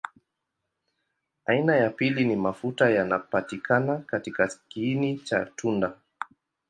Aina ya pili ni mafuta yanapatikana katika kiini cha tunda.